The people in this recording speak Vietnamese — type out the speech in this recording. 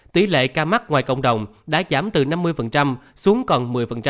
tỷ lệ ca mắc ngoài cộng đồng đã giảm từ năm mươi xuống còn một mươi